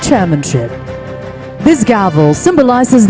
pembangunan pemerintah asean